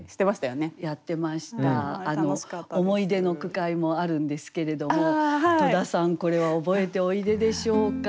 思い出の句会もあるんですけれども戸田さんこれは覚えておいででしょうか？